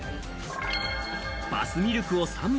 バスミルクを３杯。